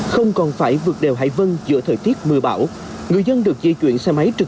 không còn phải vượt đều hải vân giữa thời tiết mưa bão